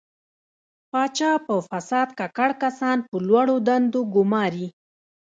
پاچا په فساد ککړ کسان په لوړو دندو ګماري.